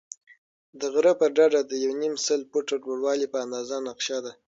د غره پر ډډه د یو نیم سل فوټه لوړوالی په اندازه نقشه ده.